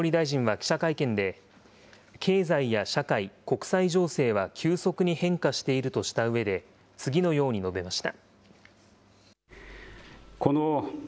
岸田総理大臣は記者会見で、経済や社会、国際情勢は急速に変化しているとしたうえで、次のように述べました。